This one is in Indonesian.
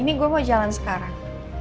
ini gue mau jalan sekarang